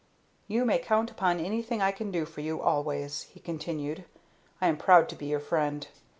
"You may count upon anything I can do for you, always," he continued. "I am proud to be your friend."